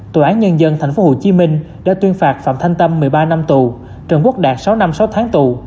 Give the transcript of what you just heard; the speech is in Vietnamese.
tòa án nhân dân tp hcm đã tuyên phạt phạm thanh tâm một mươi ba năm tù trần quốc đạt sáu năm sáu tháng tù